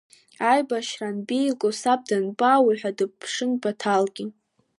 Аибашьара анбеилгои саб данбаауеи ҳәа дыԥшын Баҭалгьы…